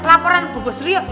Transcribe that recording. laporan bu bos dulu yuk